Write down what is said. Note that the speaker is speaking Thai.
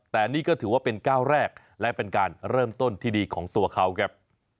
แต่นี่ก็ถือว่าเป็นก้าวแรกและเป็นการเริ่มต้นที่ดีของตัวเขาครับ